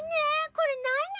これなに？